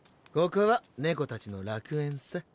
ここは猫たちの楽園さ。